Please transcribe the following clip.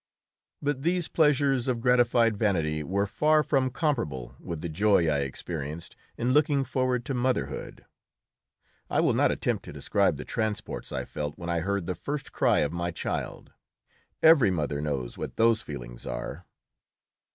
But these pleasures of gratified vanity were far from comparable with the joy I experienced in looking forward to motherhood. I will not attempt to describe the transports I felt when I heard the first cry of my child. Every mother knows what those feelings are.